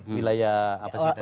wilayah apa sih